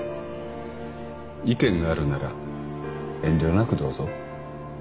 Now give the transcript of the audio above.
意見があるなら遠慮なくどうぞ。